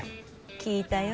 聞いたよ。